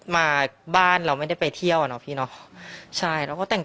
มาบ้านเราไม่ได้ไปเที่ยวอะเนอะพี่น้องใช่แล้วก็แต่ง